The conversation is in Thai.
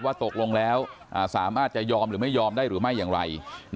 ตกลงแล้วสามารถจะยอมหรือไม่ยอมได้หรือไม่อย่างไร